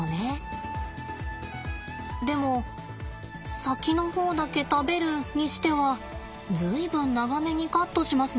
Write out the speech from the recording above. でも先の方だけ食べるにしては随分長めにカットしますね。